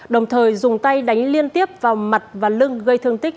đồng thời dùng tay đánh liên tiếp vào mặt và lưng gây thương tích